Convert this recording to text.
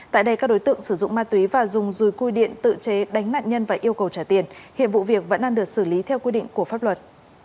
tại đây các đối tượng sử dụng ma túy và dùng dùi cui điện tự chế đánh nạn nhân và yêu cầu trả tiền hiện vụ việc vẫn đang được xử lý theo quy định của pháp luật